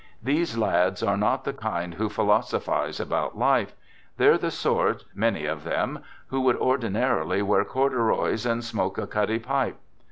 These lads are not the kind who philosophize about life; they're the sort, many of them, who would ordinarily wear corduroys and smoke a cutty pipe.